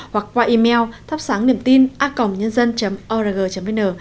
hoặc qua email thapsangniemtina org vn